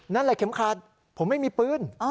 นั่นแหละเข็มขาดผมไม่มีปืน